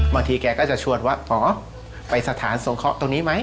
บางทีแกก็จะชวนว่าอ๋อไปสถานสงเคราะห์ตรงนี้ไหม